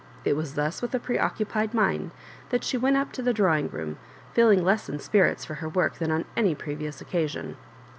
It was thus with a pre oooupied mind that she went up to the drawing room, feeling less in spirits for her work than on any previous occasion.